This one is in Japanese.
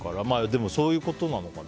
でも、そういうことなのかな。